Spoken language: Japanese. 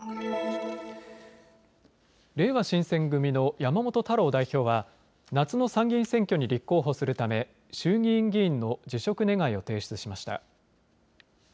れいわ新選組の山本太郎代表は夏の参議院選挙に立候補するため衆議院議員の辞職願を提出しました。